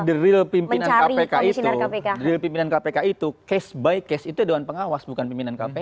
jadi drill pimpinan kpk itu drill pimpinan kpk itu case by case itu dewan pengawas bukan pimpinan kpk